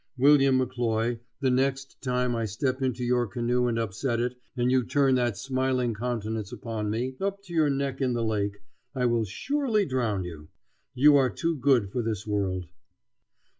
William McCloy, the next time I step into your canoe and upset it, and you turn that smiling countenance upon me, up to your neck in the lake, I will surely drown you. You are too good for this world.